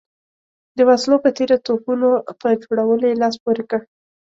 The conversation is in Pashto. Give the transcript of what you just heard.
د وسلو په تېره توپونو په جوړولو یې لاس پورې کړ.